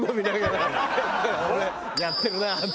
やってるな！って。